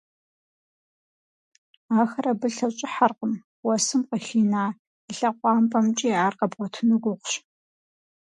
Ахэр абы лъэщIыхьэркъым, уэсым къыхина и лъакъуапIэмкIи ар къэбгъуэтыну гугъущ.